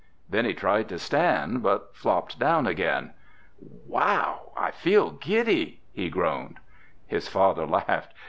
Then he tried to stand, but flopped down again. "Wow, I feel giddy!" he groaned. His father laughed.